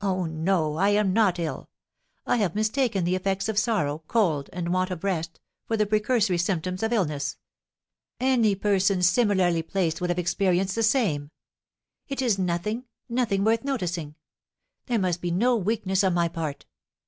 Oh, no, I am not ill; I have mistaken the effects of sorrow, cold, and want of rest, for the precursory symptoms of illness. Any person similarly placed would have experienced the same. It is nothing, nothing worth noticing. There must be no weakness on my part.